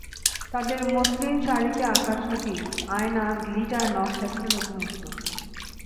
তাঁদের মসলিন শাড়িতে হাতে আঁকা ছবি, আয়না, গ্লিটার নকশায় ছিল নতুনত্ব।